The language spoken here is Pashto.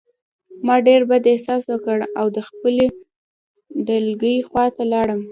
ما ډېر بد احساس وکړ او د خپلې ډلګۍ خواته لاړم